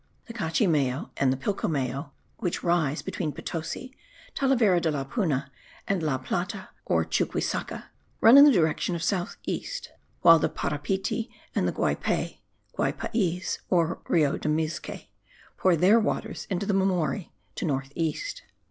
The Cachimayo and the Pilcomayo, which rise between Potosi, Talavera de la Puna, and La Plata or Chuquisaca, run in the direction of south east, while the Parapiti and the Guapey (Guapaiz, or Rio de Mizque) pour their waters into the Mamori, to north east.